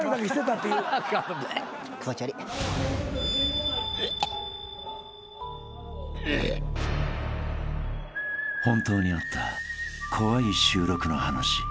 ［ほんとにあった怖い収録の話］